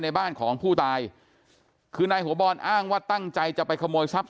ในบ้านของผู้ตายคือนายหัวบอลอ้างว่าตั้งใจจะไปขโมยทรัพย